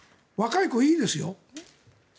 若い子、いいですよ。